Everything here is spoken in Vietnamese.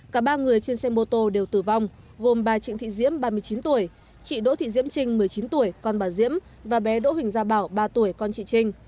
cả ba người trên xe mô tô đều tử vong gồm bà trịnh thị diễm ba mươi chín tuổi chị đỗ thị diễm trinh một mươi chín tuổi con bà diễm và bé đỗ huỳnh gia bảo ba tuổi con chị trinh